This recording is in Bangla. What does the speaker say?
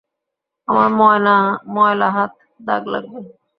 আমার ময়লা হাত, দাগ লাগবে।